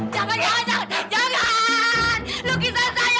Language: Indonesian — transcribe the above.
jangan lukisan saya itu males sekali